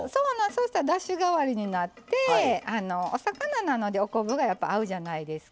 そしたらだし代わりになってお魚なのでお昆布がやっぱ合うじゃないですか。